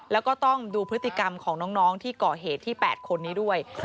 แล้วก็ต้องดูพฤติกรรมของน้องที่ก่อเหตุที่๘คนนี้ด้วย